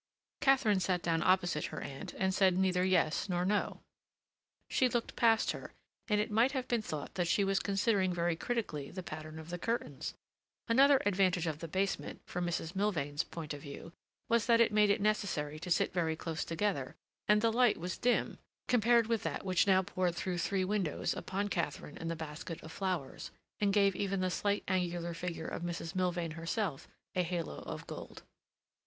Katharine sat down opposite her aunt and said neither yes nor no. She looked past her, and it might have been thought that she was considering very critically the pattern of the curtains. Another advantage of the basement, from Mrs. Milvain's point of view, was that it made it necessary to sit very close together, and the light was dim compared with that which now poured through three windows upon Katharine and the basket of flowers, and gave even the slight angular figure of Mrs. Milvain herself a halo of gold.